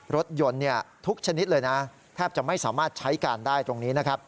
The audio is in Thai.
รถยนต์ทุกชนิดเลยนะแทบจะไม่สามารถใช้การได้ตรงนี้นะครับ